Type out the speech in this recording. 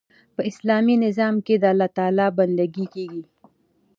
په اسلامي نظام کښي د الله تعالی بندګي کیږي.